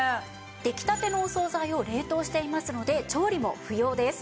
出来たてのお惣菜を冷凍していますので調理も不要です。